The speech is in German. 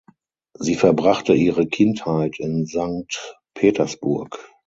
Sie verbrachte ihre Kindheit in Sankt Petersburg.